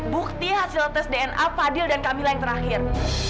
bukti hasil tes dna fadil dan kamila yang terakhir